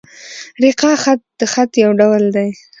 رِقاع خط؛ د خط یو ډول دﺉ.